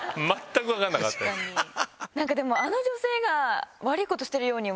何かでもあの女性が。